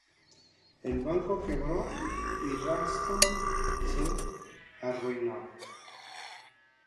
El banco quebró y Ralston se arruinó.